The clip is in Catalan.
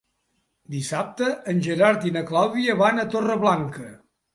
Dissabte en Gerard i na Clàudia van a Torreblanca.